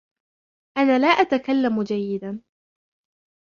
انا لا اتكلم جيدا